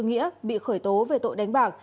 nghĩa bị khởi tố về tội đánh bạc